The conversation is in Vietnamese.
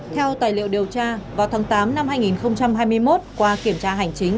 theo tài liệu điều tra vào tháng tám năm hai nghìn hai mươi một qua kiểm tra hành chính